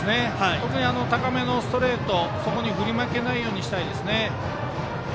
特に高めのストレート、そこに振り負けないようにしたいですね。